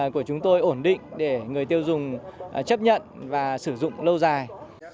của chúng tôi ổn định để người tiêu dùng chấp nhận và sử dụng lâu dài